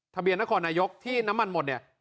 ทะเบียนนครนายกที่น้ำมันหมดเนี่ย